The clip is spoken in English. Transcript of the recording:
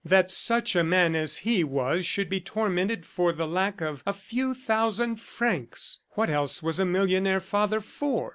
... That such a man as he was should be tormented so for the lack of a few thousand francs! What else was a millionaire father for?